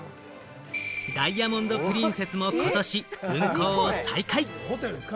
ダイヤモンド・プリンセスもことし運航を再開。